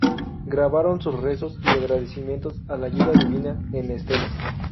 Grabaron sus rezos y agradecimientos a la ayuda divina en estelas.